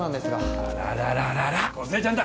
あららららら梢ちゃんだ。